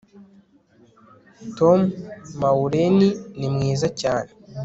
tom, maureen ni mwiza cyane